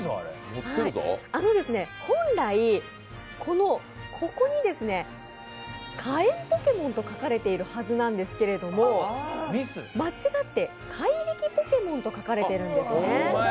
本来、ここに「かえんポケモン」と書かれているはずなんですけれども、間違って「かいりきポケモン」と書かれているんですね。